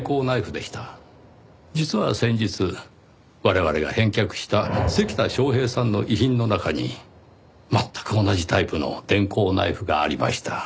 実は先日我々が返却した関田昌平さんの遺品の中に全く同じタイプの電工ナイフがありました。